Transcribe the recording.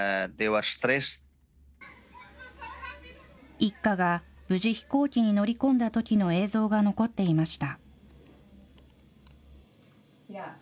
一家が無事、飛行機に乗り込んだときの映像が残っていました。